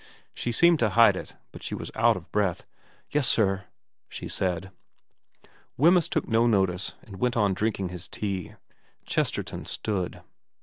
She tried to hide it, but she was out of breath. ' Yes sir ?' she said. Wemyss took no notice, and went on drinking his tea. Chesterton stood.